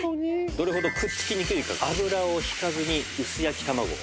どれほどくっつきにくいか油を引かずに薄焼き卵を。